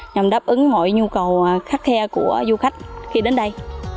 nhằm đáp ứng mọi nhu cầu khắt khe của du khách khi đến đây